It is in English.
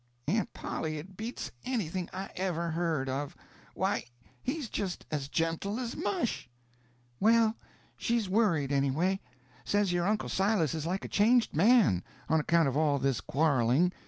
"Aunt Polly, it beats anything I ever heard of. Why, he's just as gentle as mush." "Well, she's worried, anyway. Says your uncle Silas is like a changed man, on account of all this quarreling.